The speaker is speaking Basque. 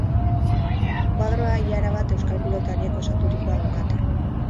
Koadroa ia erabat euskal pilotariek osaturikoa daukate.